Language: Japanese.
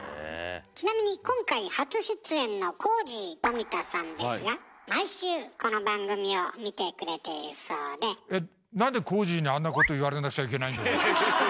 ちなみに今回初出演のコージー冨田さんですがなんでコージーにあんなこと言われなくちゃいけないんだよ。